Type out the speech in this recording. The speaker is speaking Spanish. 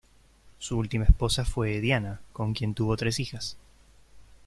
Su última esposa fue Dianna, con quien tuvo tres hijas.